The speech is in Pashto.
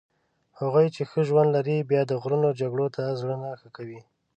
هغوی چې ښه ژوند لري بیا د غرونو جګړو ته زړه نه ښه کوي.